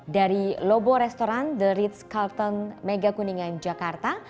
dari lobo restaurant the ritz carlton megakuningan jakarta